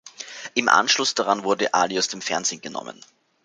Im Anschluss daran wurde Ali aus dem Fernsehen genommen.